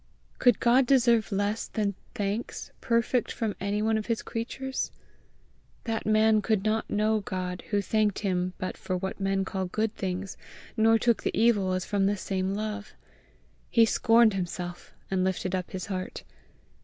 Could God deserve less than thanks perfect from any one of his creatures? That man could not know God who thanked him but for what men call good things, nor took the evil as from the same love! He scorned himself, and lifted up his heart.